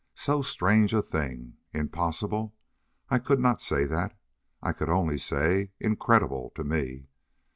So strange a thing! Impossible? I could not say that. I could only say, incredible to me.